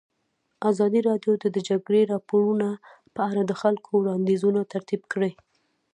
ازادي راډیو د د جګړې راپورونه په اړه د خلکو وړاندیزونه ترتیب کړي.